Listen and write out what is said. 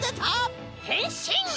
へんしん！